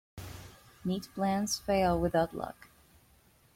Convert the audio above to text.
Neat plans fail without luck.